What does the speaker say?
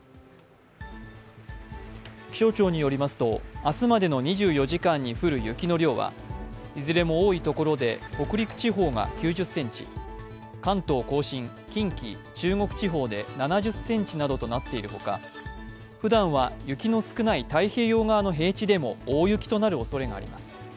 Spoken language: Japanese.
気象庁によりますと、明日までの２４時間に降る雪の量はいずれも多いところで北陸地方が９０ｃｍ、関東甲信、近畿、中国地方で７０ｃｍなどとなっているほか、ふだんは雪の少ない太平洋側の平地でも大雪となるおそれがあります。